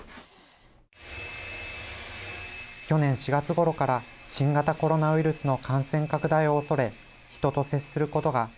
去年４月ごろから新型コロナウイルスの感染拡大を恐れ人と接することがめっきり減ったといいます